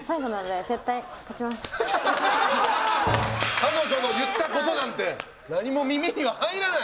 彼女の言ったことなんて何も耳には入らない！